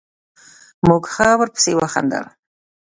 موږ ښه ورپسې وخندل.